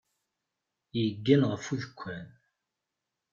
Yeggan ɣef udekkan.